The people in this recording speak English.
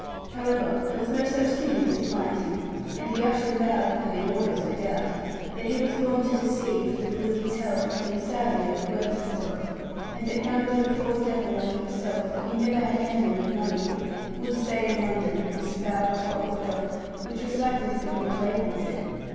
However, there was no such thing as to find him; and the usher vowed (having orders I doubt) that he was gone to the sea for the good of his health, having sadly overworked himself; and that none but a poor devil like himself, who never had handling of money, would stay in London this foul, hot weather; which was likely to bring the plague with it.